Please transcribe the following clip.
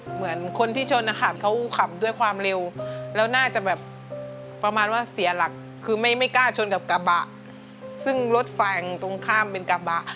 เหมือนคนที่ชนนะคะเขาขับด้วยความเร็วแล้วน่าจะแบบประมาณว่าเสียหลักคือไม่กล้าชนกับกระบะซึ่งรถฝั่งตรงข้ามเป็นกระบะ